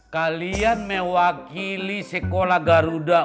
kalian mewakili sekolah garuda